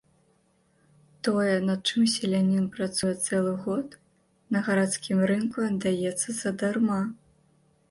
Тое, над чым селянін працуе цэлы год, на гарадскім рынку аддаецца задарма.